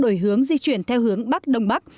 sau đó có đổi hướng di chuyển theo hướng bắc đông bắc